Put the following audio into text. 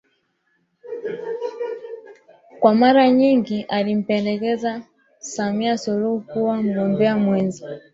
Kwa mara nyingine alimpendekeza Samia Suluhu kuwa mgombea mwenza